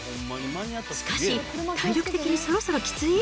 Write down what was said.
しかし、体力的にそろそろきつい？